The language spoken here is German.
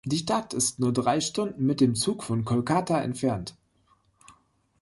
Die Stadt ist nur drei Stunden mit dem Zug von Kolkata entfernt.